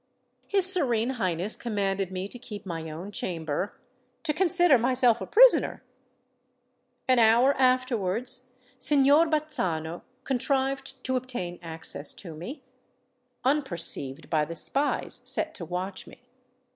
His Serene Highness commanded me to keep my own chamber—to consider myself a prisoner! An hour afterwards, Signor Bazzano contrived to obtain access to me, unperceived by the spies set to watch me.